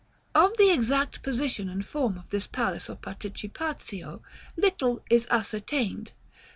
§ X. Of the exact position and form of this palace of Participazio little is ascertained.